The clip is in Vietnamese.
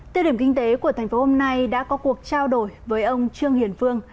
tiêu điểm kinh tế của thành phố hôm nay đã có cuộc trao đổi với ông trương hiền phương